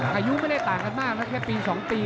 อายุไม่ได้ต่างกันมากนะแค่ปี๒ปี